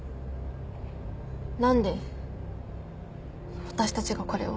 何で私たちがこれを？